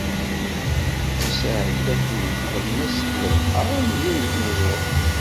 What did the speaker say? Isɛedda-ten di tlemmast n lebḥer amzun deg uneẓruf.